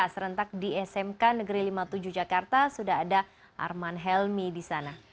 serentak di smk negeri lima puluh tujuh jakarta sudah ada arman helmi di sana